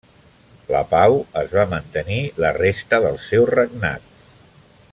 La pau es va mantenir la resta del seu regnat.